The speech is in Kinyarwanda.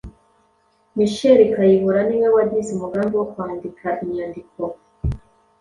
Michel Kayihura: ni we wagize umugambi wo kwandika inyandiko